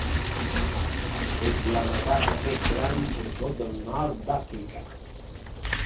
És la madrassa més gran de tot el nord d'Àfrica.